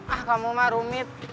ah kamu mah rumit